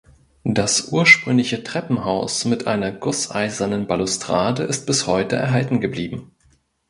Das ursprüngliche Treppenhaus mit einer gusseisernen Balustrade ist bis heute erhalten geblieben.